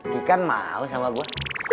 kikan mau sama gue